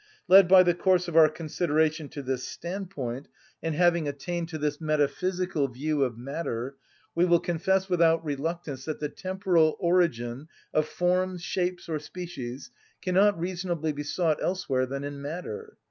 Led by the course of our consideration to this standpoint, and having attained to this metaphysical view of matter, we will confess without reluctance that the temporal origin of forms, shapes, or species cannot reasonably be sought elsewhere than in matter.